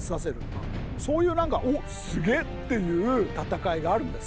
そういう何か「おっすげえ」っていう戦いがあるんです。